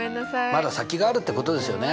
まだ先があるってことですよね。